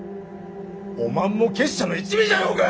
おまんも結社の一味じゃろうが！？